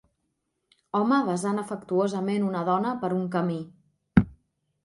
Home besant afectuosament una dona per un camí